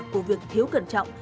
của việc thiếu cẩn trọng